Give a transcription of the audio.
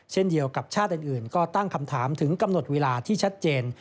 เช่นเดียวกับชาติอื่นก็ตั้งคำถามถึงกำหนดเวลาที่ชัดเจน